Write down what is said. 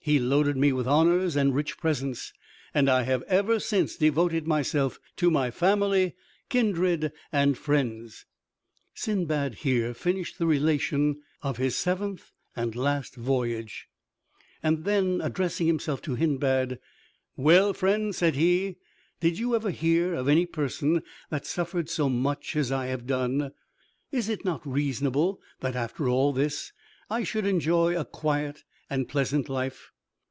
He loaded me with honors and rich presents, and I have ever since devoted myself to my family, kindred, and friends. Sindbad here finished the relation of his seventh and last voyage, and then addressing himself to Hindbad, "Well, friend," said he, "did you ever hear of any person that suffered so much as I have done? Is it not reasonable that, after all this, I should enjoy a quiet and pleasant life?"